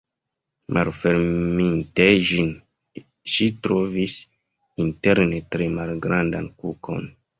Malferminte ĝin, ŝi trovis interne tre malgrandan kukon.